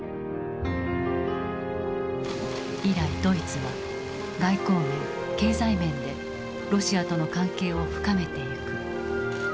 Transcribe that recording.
以来ドイツは外交面経済面でロシアとの関係を深めていく。